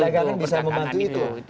perdagangan bisa membantu itu